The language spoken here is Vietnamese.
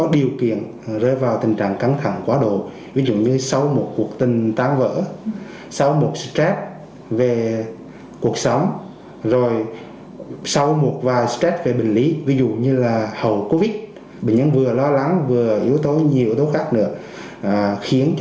tuy nhiên cái điều mà mình cần phải nhấn mạnh ở đây